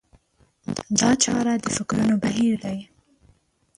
دا چاره د فکرونو بهير دی.